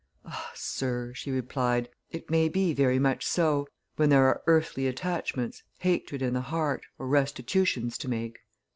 "Ah, Sir," she replied, "it may be very much so, when there are earthly attachments, hatred in the heart, or restitutions to make!"